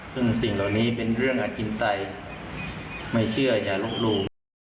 ซึ่งสิ่งเหล่านี้เป็นเรื่องอธินไตยไม่เชื่ออย่าลบหลู่